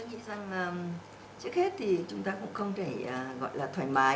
vâng tôi nghĩ rằng trước hết thì chúng ta cũng không thể gọi là thoải mái